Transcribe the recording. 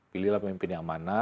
pilihlah pemimpin yang mana